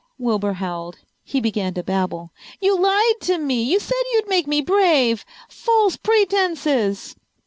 Wilbur howled. He began to babble. "You lied to me! You said you'd make me brave! False pretenses!"